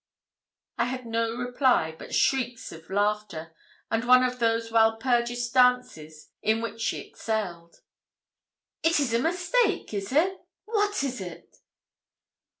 I had no reply but shrieks of laughter, and one of those Walpurgis dances in which she excelled. 'It is a mistake is it? What is it?'